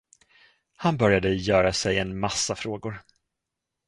Han började göra sig en massa frågor.